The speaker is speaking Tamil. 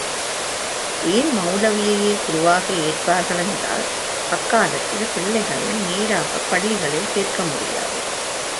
ஏன் மெளல்வியையே குருவாக ஏற்பார்கள் என்றால் அக்காலத்தில் பிள்ளைகளை நேராகப் பள்ளிகளில் சேர்க்க முடியாது.